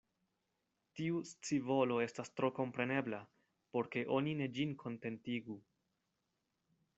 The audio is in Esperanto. Tiu scivolo estas tro komprenebla, por ke oni ne ĝin kontentigu.